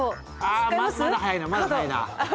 ああまだ早いなまだ早いな。